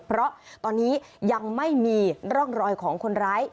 เพราะตอนนี้ยังไม่มีร่องรอยของคนร้าย